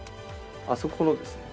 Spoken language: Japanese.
あそこのですね